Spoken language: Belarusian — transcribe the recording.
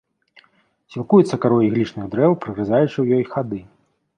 Сілкуецца карой іглічных дрэў, прагрызаючы ў ёй хады.